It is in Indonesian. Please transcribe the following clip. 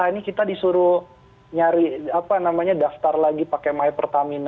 ini kita disuruh nyari apa namanya daftar lagi pakai my pertamina